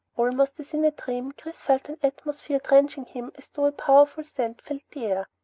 Almost as in a dream, Chris felt an atmosphere drenching him as though a powerful scent filled the air.